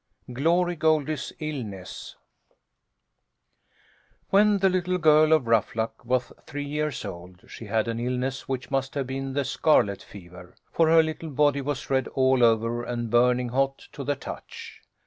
GLORY GOLDIE'S ILLNESS When the little girl of Ruffluck was three years old she had an illness which must have been the scarlet fever, for her little body was red all over and burning hot to the touch.